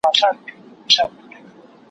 زه به سبا د يادښتونه ترتيب وکړم!.